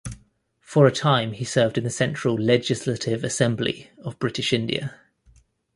For a time he served in the Central Legislative Assembly of British India.